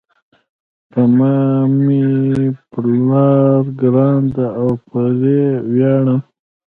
په ما مېپلار ګران ده او پری ویاړم